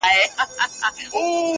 ما خپل پلار ته وويل.